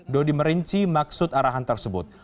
dodi merinci maksud arahan tersebut